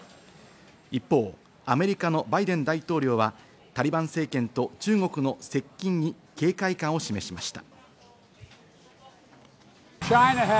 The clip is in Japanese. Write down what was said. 一方、アメリカのバイデン大統領はタリバン政権と中国の接近に警戒感を示しました。